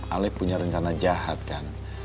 alex punya rencana jahat kan